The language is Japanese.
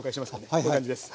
こういう感じです。